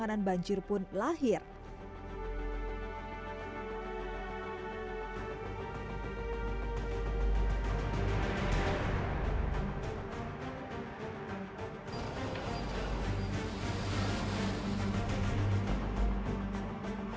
jadi kita kebetulan choosing